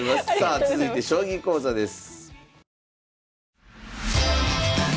続いて将棋講座です。